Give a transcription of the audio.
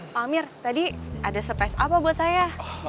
pak amir tadi ada stress apa buat saya